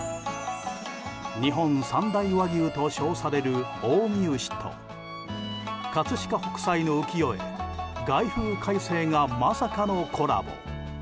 日本三大和牛と称される近江牛と葛飾北斎の浮世絵「凱風快晴」がまさかのコラボ。